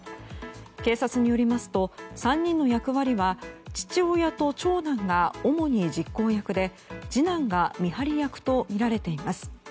警察によりますと、３人の役割は父親と長男が主に実行役で次男が見張り役とみられています。